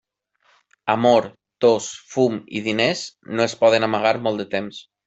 Amor, tos, fum i diners, no es poden amagar molt de temps.